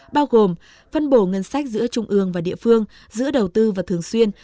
bao gồm phân bổ ngân sách giữa trung ương và địa phương giữa đầu tư và thường xuyên